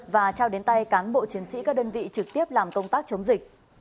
và trao đến tay cán bộ chiến sĩ các đơn vị trực tiếp làm công tác chống dịch